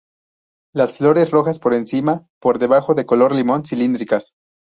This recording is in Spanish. Las flores rojas por encima, por debajo de color limón, cilíndricas.